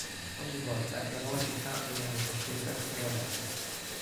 Ogni volta la nuova città veniva ricostruita sopra la vecchia.